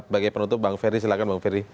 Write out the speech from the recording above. bagi penutup bung ferry silahkan bung ferry